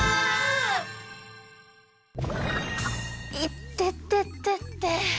いてててて。